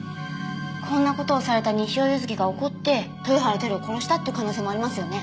こんな事をされた西尾ユズキが怒って豊原輝を殺したっていう可能性もありますよね？